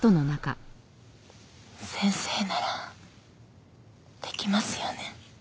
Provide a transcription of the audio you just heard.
先生ならできますよね？